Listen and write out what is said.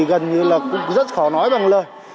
gần như là cũng rất khó nói bằng lời